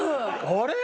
あれ？